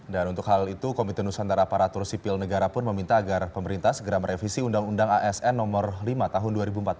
dan untuk hal itu komite nusantara paratur sipil negara pun meminta agar pemerintah segera merevisi undang undang asn nomor lima tahun dua ribu empat belas